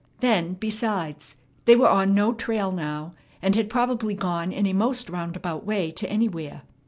Then, besides, they were on no trail now, and had probably gone in a most roundabout way to anywhere.